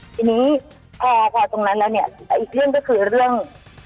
ทีนี้พอพอตรงนั้นแล้วเนี่ยอีกเรื่องก็คือเรื่อง